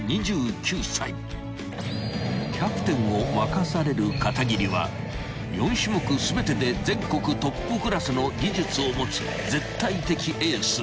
［キャプテンを任される片桐は４種目全てで全国トップクラスの技術を持つ絶対的エース］